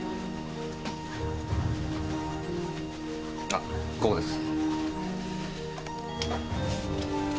あここです。